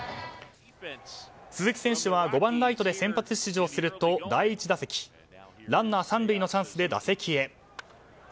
鈴木選手は５番ライトで先発出場すると第１打席、ランナー３塁のチャンスで打席へ。